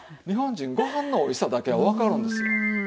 日本人ご飯のおいしさだけはわかるんです。